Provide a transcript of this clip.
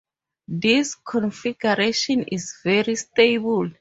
This configuration is very stable.